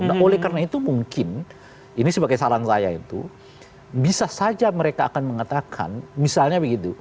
nah oleh karena itu mungkin ini sebagai saran saya itu bisa saja mereka akan mengatakan misalnya begitu